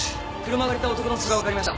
車を借りた男の素性がわかりました。